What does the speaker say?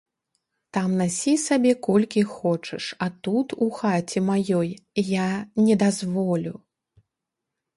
Там насі сабе колькі хочаш, а тут, у хаце маёй, я не дазволю.